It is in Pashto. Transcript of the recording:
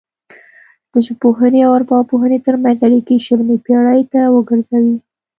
د ژبپوهنې او ارواپوهنې ترمنځ اړیکې شلمې پیړۍ ته ورګرځي